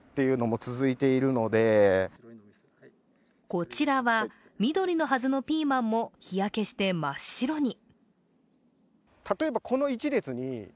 こちらは緑のはずのピーマンも日焼けして真っ白に。